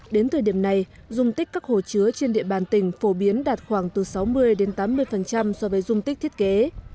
đến thời điểm này dung tích các hồ chứa trên địa bàn tỉnh phổ biến đạt khoảng từ sáu mươi đến tám mươi so với dung tích thiết kế